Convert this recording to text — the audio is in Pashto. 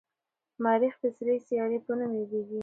مریخ د سرې سیارې په نوم یادیږي.